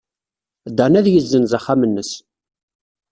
Dan ad yessenz axxam-nnes.